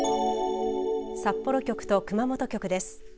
札幌局と熊本局です。